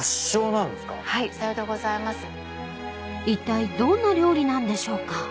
［いったいどんな料理なんでしょうか］